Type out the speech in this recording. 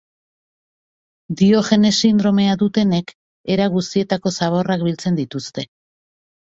Diogenes sindromea dutenek era guztietako zaborrak biltzen dituzte.